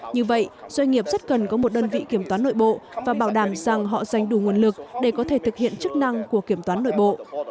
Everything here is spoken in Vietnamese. như vậy doanh nghiệp rất cần có một đơn vị kiểm toán nội bộ và bảo đảm rằng họ dành đủ nguồn lực để có thể thực hiện chức năng của kiểm toán nội bộ